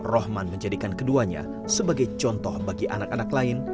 rohman menjadikan keduanya sebagai contoh bagi anak anak lain